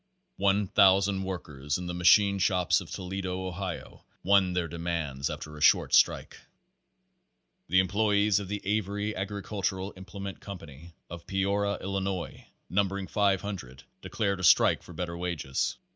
One thousand workers in the machine shops of To ledo, Ohio, won their demands after a short strike. The employes of the Avery Agricultural Implement Company of Peoria, 111., numbering five hundred, de clared a strike for better wages.